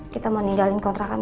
kita mau ninggalin kontrakan ini